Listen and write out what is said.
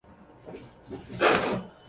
经营一间小店